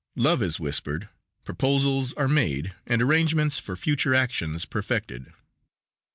Love is whispered, proposals are made, and arrangements for future actions perfected.